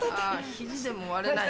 肘でも割れない。